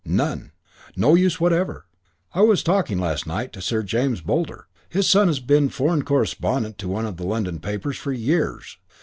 None. No use whatever. I was talking last night to Sir James Boulder. His son has been foreign correspondent to one of the London papers for years.